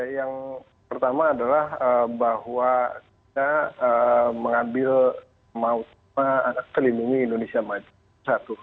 yang pertama adalah bahwa kita mengambil mautma anak terlindungi indonesia madu